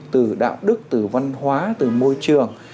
từ đạo đức từ văn hóa từ môi trường